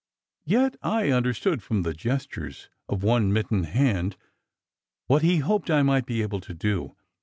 Yet I understood from the gestures of one mittened hand what he hoped I might be able to do.